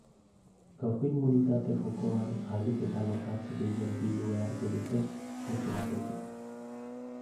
Gaurko immunitate jokoan, ahalik eta lokatz gehien bildu beharko dute putzu batetik.